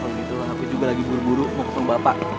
kalau itu hampir juga lagi buru buru mau kepon bapak